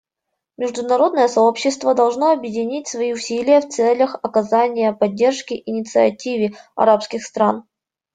Международное сообщество должно объединить свои усилия в целях оказания поддержки инициативе арабских стран.